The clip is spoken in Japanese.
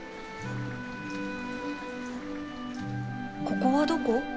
ここはどこ？